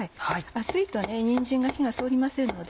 厚いとにんじんが火が通りませんので。